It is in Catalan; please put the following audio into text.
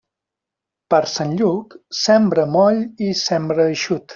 Per Sant Lluc, sembra moll i sembra eixut.